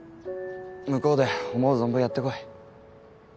向こうで思う存分やってこい。